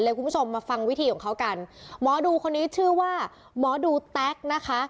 คุณผู้ชมมาฟังวิธีของเขากันหมอดูคนนี้ชื่อว่าหมอดูแต๊กนะคะ